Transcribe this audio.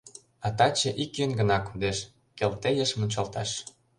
А таче ик йӧн гына кодеш — Келтейыш мунчалташ.